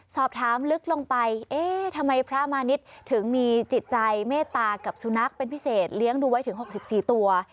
สอบถามลึกลงไปเอ๊ะทำไมพระมาณิชย์ถึงมีจิตใจเมตตากับสุนัขเป็นพิเศษเลี้ยงดูไว้ถึง๖๔ตัว